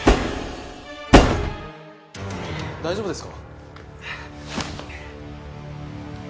大丈夫ですか？